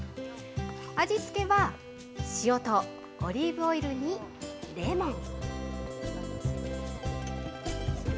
味付けは塩とオリーブオイルにレモン。